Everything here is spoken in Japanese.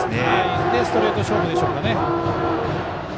ストレート勝負でしょうかね。